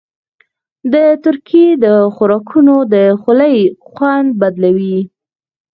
د ترکي خوراکونه د خولې خوند بدلوي.